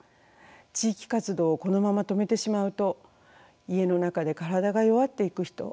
地域活動をこのまま止めてしまうと家の中で体が弱っていく人